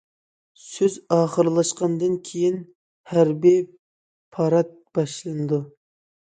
سۆز ئاخىرلاشقاندىن كېيىن، ھەربىي پارات باشلىنىدۇ.